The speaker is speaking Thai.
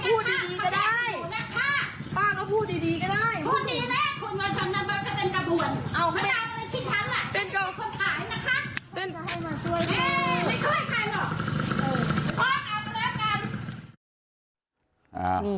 พูดดีอีก